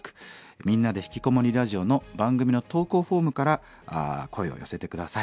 「みんなでひきこもりラジオ」の番組の投稿フォームから声を寄せて下さい。